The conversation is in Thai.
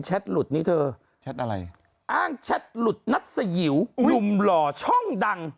แชทสยิวหนุ่มหล่อช่องดัง